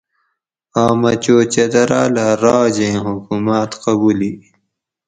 آمہ چو چتراۤلہ راجیں حکوماۤت قبولی